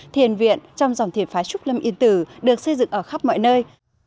thiền viện trong dòng thiệt phái trúc lâm yên tử được xây dựng ở khắp mọi nơi